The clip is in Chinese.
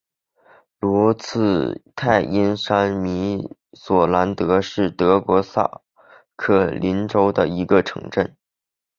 罗茨泰因山麓索兰德是德国萨克森州的一个市镇。